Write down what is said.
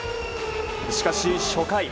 しかし、初回。